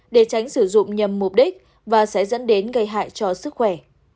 để tránh sử dụng nhằm mục đích và sẽ dẫn đến gây hại cho sức khỏe